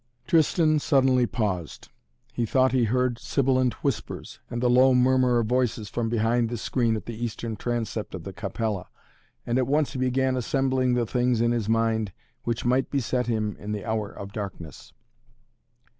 Tristan suddenly paused. He thought he heard sibilant whispers and the low murmur of voices from behind the screen at the eastern transept of the Capella, and at once he began assembling the things in his mind which might beset him in the hour of darkness.